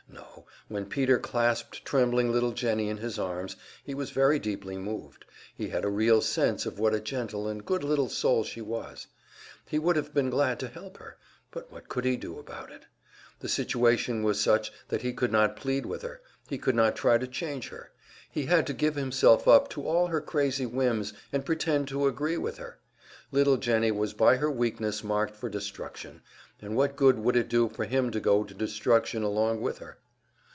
No, when Peter clasped trembling little Jennie in his arms he was very deeply moved; he had a real sense of what a gentle and good little soul she was. He would have been glad to help her but what could he do about it? The situation was such that he could not plead with her, he could not try to change her; he had to give himself up to all her crazy whims and pretend to agree with her. Little Jennie was by her weakness marked for destruction, and what good would it do for him to go to destruction along with her?